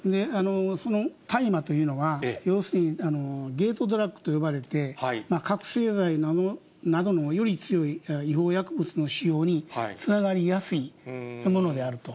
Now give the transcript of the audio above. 大麻というのは、要するにゲートドラッグと呼ばれて、覚醒剤などのより強い違法薬物の使用につながりやすいものであると。